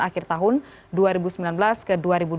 akhir tahun dua ribu sembilan belas ke dua ribu dua puluh